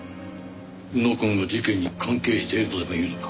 宇野くんが事件に関係しているとでもいうのか？